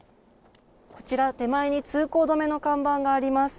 こちら、手前に通行止めの看板があります。